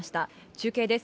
中継です。